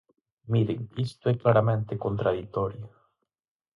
Miren, isto é claramente contraditorio.